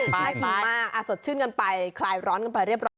น่ากินมากสดชื่นกันไปคลายร้อนกันไปเรียบร้อย